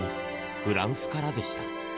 フランスからでした。